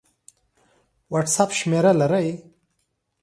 وټس اپ شمېره لرئ؟